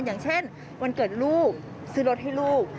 อย่างเช่นวันเกิดลูกซื้อรถให้ลูก